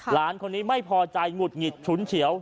หลานคนนี้ไม่พอใจหงุดหงิดฉุนเฉียว